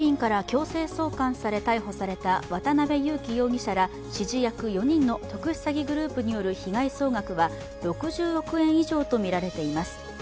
フィリピンから強制送還され逮捕された渡辺優樹容疑者ら指示役４人の特殊詐欺グループによる被害総額は６０億円以上とみられています。